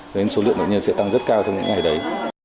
nên số lượng bệnh nhân sẽ tăng rất cao trong những ngày đấy